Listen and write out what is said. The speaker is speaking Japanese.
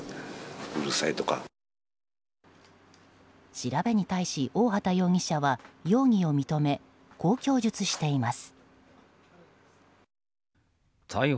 調べに対し大畑容疑者は容疑を認め、こう供述しています。